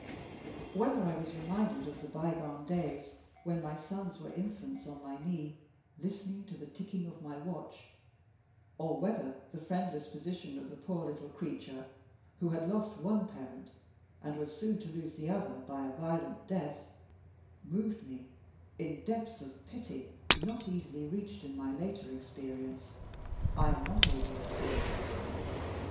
Whether I was reminded of the bygone days when my sons were infants on my knee, listening to the ticking of my watch or whether the friendless position of the poor little creature, who had lost one parent and was soon to lose the other by a violent death, moved me in depths of pity not easily reached in my later experience I am not able to say.